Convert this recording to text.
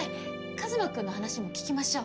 カズマ君の話も聞きましょう。